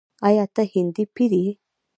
“آیا ته هندی پیر یې؟”